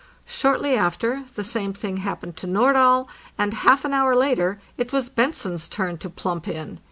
Short ly after the same thing happened to Nordahl, and half an hour later it was Bentzen's turn to plump in.